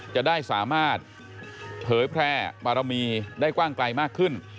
จะได้สามารถเผยแพร่บารมีได้กว้างไกลมากขึ้น